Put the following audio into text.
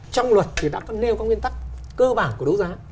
trong luật thì đã có nêu các nguyên tắc cơ bản của đấu giá